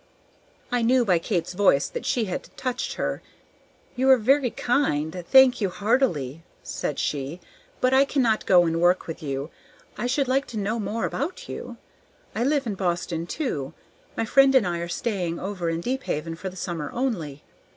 I knew by Kate's voice that this had touched her. "You are very kind; thank you heartily," said she; "but I cannot go and work with you. I should like to know more about you. I live in Boston too; my friend and I are staying over in Deephaven for the summer only."